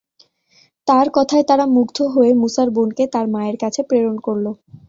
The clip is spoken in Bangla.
তার কথায় তারা মুগ্ধ হয়ে মূসার বোনকে তার মায়ের কাছে প্রেরণ করল।